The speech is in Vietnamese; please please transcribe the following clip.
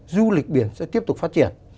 du lịch biển sẽ tiếp tục phát triển